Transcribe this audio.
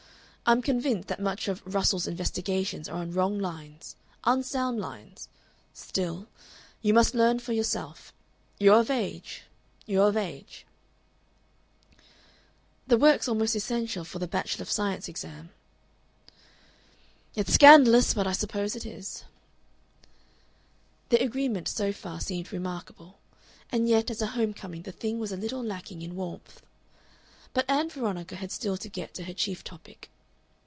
I'm convinced that much of Russell's investigations are on wrong lines, unsound lines. Still you must learn for yourself. You're of age you're of age." "The work's almost essential for the B.Sc. exam." "It's scandalous, but I suppose it is." Their agreement so far seemed remarkable, and yet as a home coming the thing was a little lacking in warmth. But Ann Veronica had still to get to her chief topic.